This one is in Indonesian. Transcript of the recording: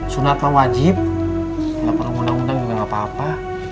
sunat mawajib nggak perlu undang undang juga nggak papa